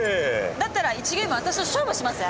だったら１ゲーム私と勝負しません？